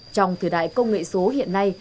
trong thời đại công nghệ số hiện nay